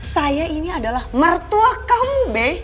saya ini adalah mertua kamu b